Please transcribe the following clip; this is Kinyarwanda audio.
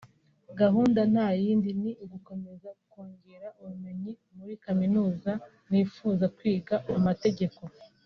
Gahunda nta yindi ni ugukomeza kongera ubumenyi […] Muri Kaminuza nifuza kwiga amategeko